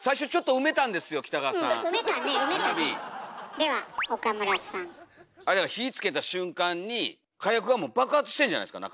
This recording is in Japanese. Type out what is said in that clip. では岡村さん。あれだから火つけた瞬間に火薬はもう爆発してんじゃないですか？